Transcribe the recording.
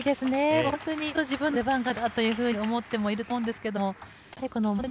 やっと自分の出番が出たというふうに思ってもいると思うんですけど。